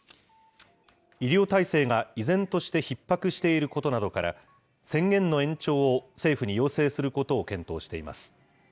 医療体制が依然としてひっ迫していることなどから、宣言の延長を政府に要請することを検討しています。